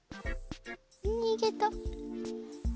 にげた。